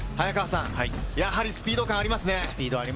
やはりスピード感ありますね。